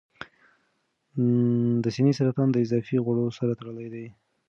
د سینې سرطان د اضافي غوړو سره تړلی دی.